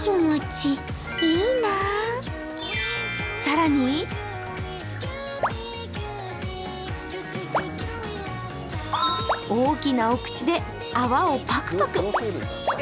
更に大きなお口で泡をパクパク。